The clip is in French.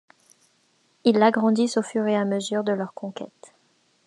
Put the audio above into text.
Ils l'agrandissent au fur et à mesure de leurs conquêtes.